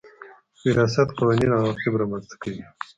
وراثت قوانين عواقب رامنځ ته کوي.